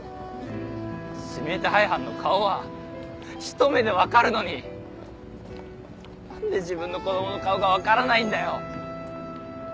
指名手配犯の顔はひと目でわかるのになんで自分の子供の顔がわからないんだよ！